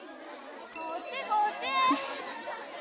・こっちこっち！